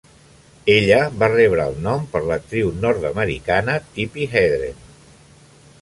Ella va rebre el nom per l'actriu nord-americana Tippi Hedren.